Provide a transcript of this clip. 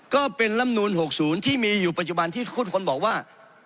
ก็เป็นลำนูล๖๐ที่มีอยู่ปัจจุบันที่ทุกคนบอกว่า